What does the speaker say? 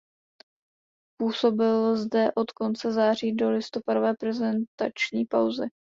Působil zde od konce září do listopadové reprezentační pauzy.